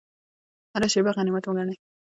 هره شیبه غنیمت وګڼئ